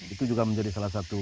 itu juga menjadi salah satu